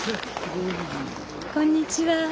こんにちは。